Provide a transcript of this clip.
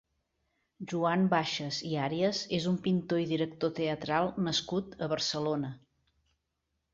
Joan Baixas i Arias és un pintor i director teatral nascut a Barcelona.